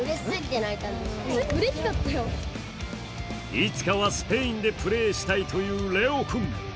いつかはスペインでプレーしたいという玲王君。